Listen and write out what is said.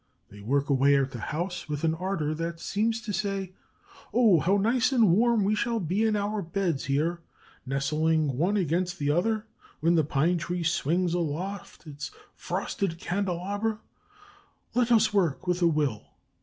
They work away at their house with an ardor that seems to say: "Oh, how nice and warm we shall be in our beds here, nestling one against the other, when the pine tree swings aloft its frosted candelabra! Let us work with a will!"